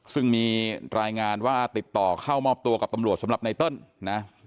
ซึ่งมีรายงานว่าติดต่อเข้ามอบตัวกับตำรวจสำหรับไนเติ้ลนะ